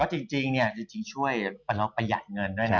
ก็จริงช่วยประหลาดประหยัดเงินด้วยนะ